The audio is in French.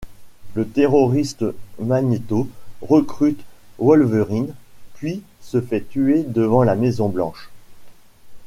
Le terroriste Magneto recrute Wolverine, puis se fait tuer devant la Maison Blanche.